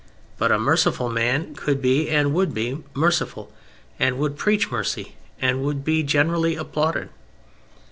But a merciful man could be, and would be, merciful and would preach mercy, and would be generally applauded.